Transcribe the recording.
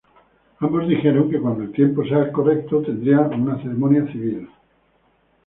Ambos dijeron que cuando el tiempo sea el correcto, tendrían una ceremonia civil.